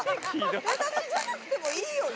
私じゃなくてもいいよね。